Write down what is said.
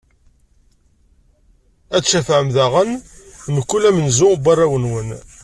Ad d-tcafɛem daɣen mkul amenzu n warraw-nwen.